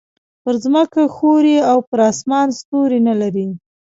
پر ځمکه ښوری او پر اسمان ستوری نه لري.